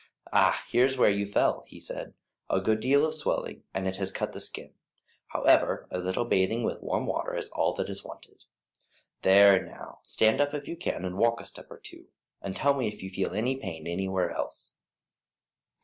"Ah, here is where you fell," he said; "a good deal of swelling, and it has cut the skin. However, a little bathing with warm water is all that is wanted. There, now, stand up if you can and walk a step or two, and tell me if you feel any pain anywhere else.